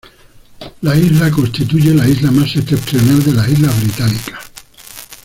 La isla constituye la isla más septentrional de las Islas Británicas.